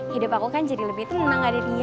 hidup aku kan jadi lebih tenang gak dari dia